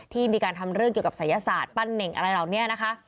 ที่มีการทำเรื่องเกี่ยวกับศัยศาสตร์ปั้นเน่งอะไรเหล่านี้นะคะ